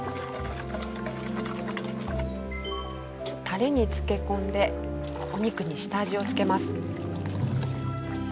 タレに漬け込んでお肉に下味を付けます。